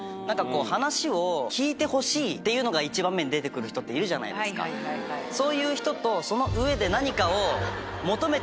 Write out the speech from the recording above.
話を聞いてほしいっていうのが一番目に出てくる人っているじゃないですかそういう人と。